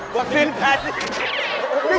คุณพันกา